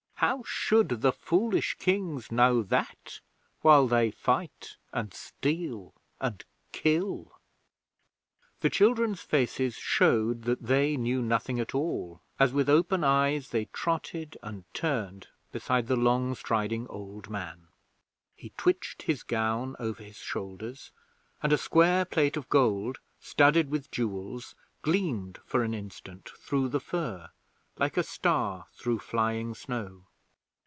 How should the foolish Kings know that while they fight and steal and kill?' The children's faces showed that they knew nothing at all as, with open eyes, they trotted and turned beside the long striding old man. He twitched his gown over his shoulders, and a square plate of gold, studded with jewels, gleamed for an instant through the fur, like a star through flying snow.